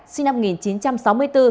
sinh năm một nghìn chín trăm sáu mươi bốn